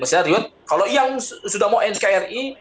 maksudnya reward kalau yang sudah mau nkri